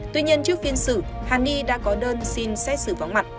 tuy nhiên trước phiên xử hằng nhi đã có đơn xin xét xử vắng mặt